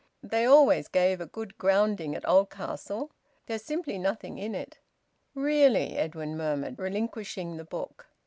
"They always gave a good grounding at Oldcastle. There's simply nothing in it." "Really!" Edwin murmured, relinquishing the book.